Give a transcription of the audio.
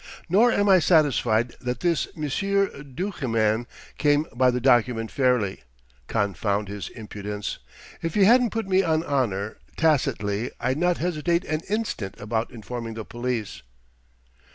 Nor am I satisfied that this Monsieur Duchemin came by the document fairly confound his impudence! If he hadn't put me on honour, tacitly, I'd not hesitate an instant about informing the police."